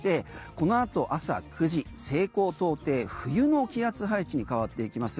このあと朝９時、西高東低冬の気圧配置に変わっていきます。